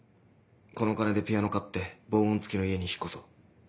このお金でピアノ買って防音付きの家に引っ越そう。